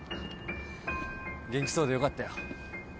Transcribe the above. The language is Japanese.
元気そうでよかったよ。